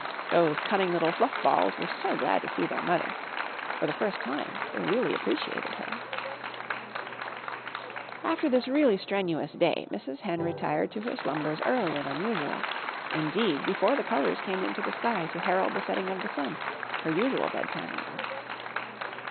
Those cunning little fluff balls were so glad to see their mother. For the first time, they really appreciated her. After this really strenuous day Mrs. Hen retired to her slumbers earlier than usual indeed, before the colors came into the sky to herald the setting of the sun, her usual bedtime hour.